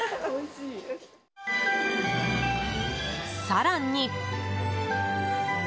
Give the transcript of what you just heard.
更に。